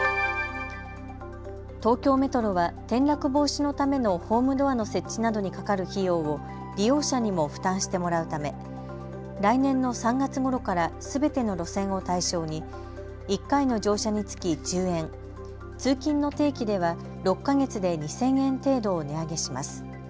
東京メトロは転落防止のためのホームドアの設置などにかかる費用を利用者にも負担してもらうため来年の３月ごろからすべての路線を対象に１回の乗車につき１０円、通勤の定期では６か月で２０００円程度を値上げします。